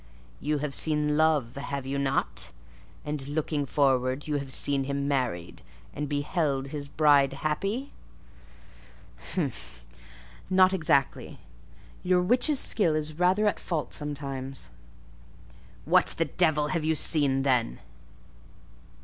"You have seen love: have you not?—and, looking forward, you have seen him married, and beheld his bride happy?" "Humph! Not exactly. Your witch's skill is rather at fault sometimes." "What the devil have you seen, then?"